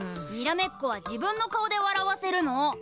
にらめっこは自分の顔でわらわせるの！